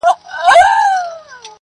ستا و ما لره بیا دار دی,